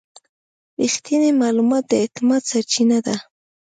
رښتینی معلومات د اعتماد سرچینه ده.